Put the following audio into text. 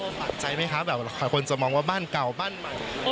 ปากใจไหมคะแบบหลายคนจะมองว่าบ้านเก่าบ้านใหม่